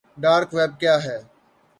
dark web کیا ہے